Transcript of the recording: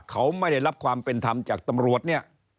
เขาไม่ได้รับความเป็นธรรมจากตำรวจเนี่ย